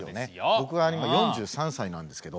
僕が今４３歳なんですけど。